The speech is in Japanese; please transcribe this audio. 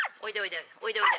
おいでおいで。